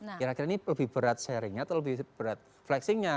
akhirnya ini lebih berat sharingnya atau lebih berat flexingnya